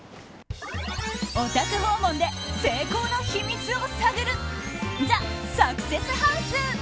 お宅訪問で成功の秘密を探るＴＨＥサクセスハウス。